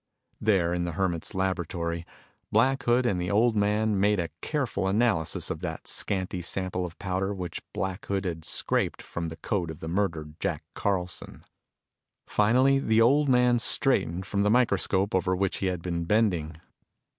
There in the Hermit's laboratory, Black Hood and the old man made a careful analysis of that scanty sample of powder which Black Hood had scraped from the coat of the murdered Jack Carlson. Finally, the old man straightened from the microscope over which he had been bending.